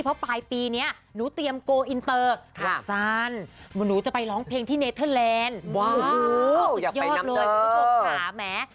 ในปีเนี้ยหนูเตรียมโกลอินเตอร์ค่ะสันหนูจะไปร้องเพลงที่เนทเทอร์แลนด์โอ้โหอยากไปน้ำเตอร์สุดยอดเลยสุดยอดค่ะแหม